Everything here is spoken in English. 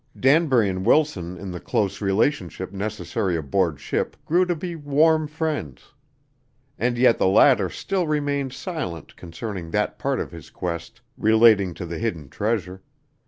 Danbury and Wilson in the close relationship necessary aboard ship grew to be warm friends. And yet the latter still remained silent concerning that part of his quest relating to the hidden treasure.